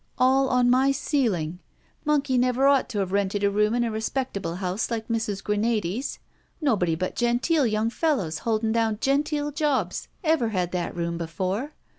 All on my ceiling. Monkey never ought to have rented a room in a respectable house like Mrs. Granady's. Nobody but genteel young fellows holding down genteel jobs ever had that room before.